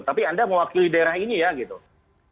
tapi anda mewakili daerah ini ya gitu